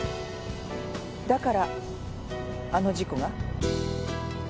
だからあの事故が？